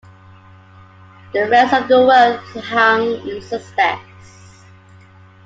The rest of the world hung in suspense.